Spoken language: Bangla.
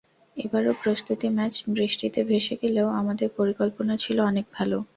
এবারও প্রস্তুতি ম্যাচ বৃষ্টিতে ভেসে গেলেও আমাদের পরিকল্পনা ছিল অনেক ভালো।